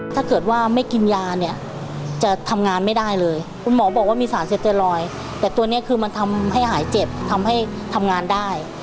ถ้าเกิดว่าไม่กินยาเนี่ยจะทำงานไม่ได้เลยคุณหมอบอกว่ามีสารเสพเตยลอยแต่ตัวนี้คือมันทำให้หายเจ็บทำให้ทำงานได้